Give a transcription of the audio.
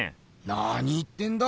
なに言ってんだ？